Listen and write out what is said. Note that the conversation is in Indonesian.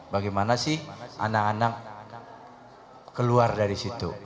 bagaimana sih anak anak keluar dari situ